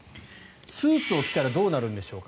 スーツを着たらどうなるんでしょうか。